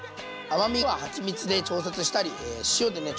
甘みははちみつで調節したり塩でね